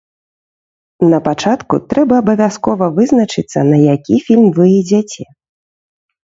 Напачатку трэба абавязкова вызначыцца, на які фільм вы ідзяце.